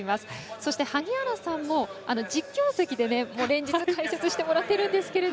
そして、萩原さんも実況席で連日解説してもらってるんですけど。